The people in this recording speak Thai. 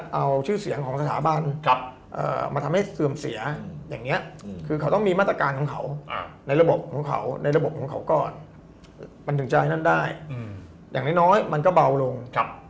เอาชื่อเสียงของสถาบันมาทำให้เสื่อมเสียอย่างนี้คือเขาต้องมีมาตรการของเขาในระบบของเขาในระบบของเขาก่อนมันถึงจะให้นั่นได้อย่างน้อยมันก็เบาลง